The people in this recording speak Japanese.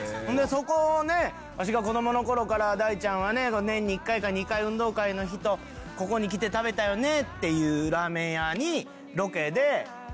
そこでわしが子どもの頃から「大ちゃんはね年に１回か２回運動会の日とここに来て食べたよね」っていうラーメン屋に。